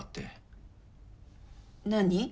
何？